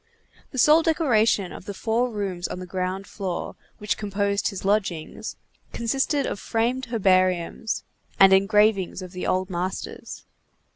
The sole decoration of the four rooms on the ground floor, which composed his lodgings, consisted of framed herbariums, and engravings of the old masters.